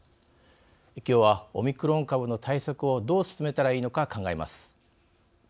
きょうはオミクロン株の対策をどう進めたらいいのか考えます。